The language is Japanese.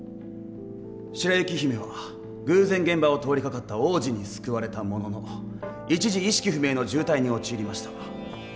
白雪姫は偶然現場を通りかかった王子に救われたものの一時意識不明の重体に陥りました。